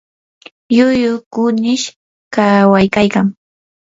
lllullu kunish kawakaykan.